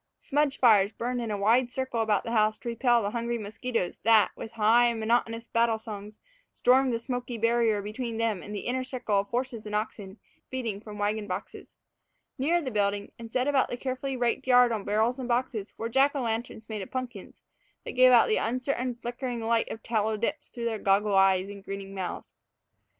Smudge fires burned in a wide circle about the house to repel the hungry mosquitos that, with high, monotonous battle songs, stormed the smoky barrier between them and the inner circle of horses and oxen feeding from wagon boxes. Nearer the building, and set about the carefully raked yard on barrels and boxes, were Jack o' lanterns made of pumpkins, that gave out the uncertain, flickering light of tallow dips through their goggle eyes and grinning mouths.